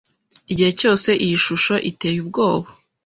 Igihe cyose iyi shusho iteye ubwoba